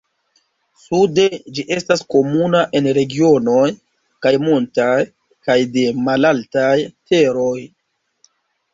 Sude ĝi estas komuna en regionoj kaj montaj kaj de malaltaj teroj.